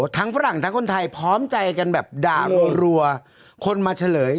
ฝรั่งทั้งคนไทยพร้อมใจกันแบบด่ารัวคนมาเฉลย